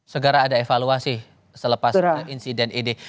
segera ada evaluasi selepas insiden ini